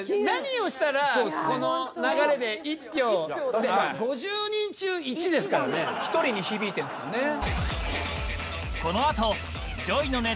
何をしたらこの流れで１票で「５０人中１」ですからね１人に響いてるんですもんね